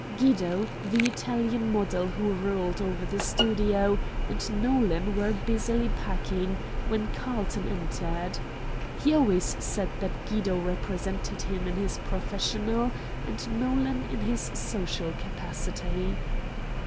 Guido, the Italian model who ruled over the studio, and Nolan were busily packing when Carlton entered. He always said that Guido represented him in his professional and Nolan in his social capacity.